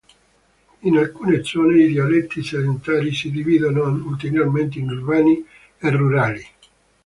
In alcune zone, i dialetti sedentari si dividono ulteriormente in urbani e rurali.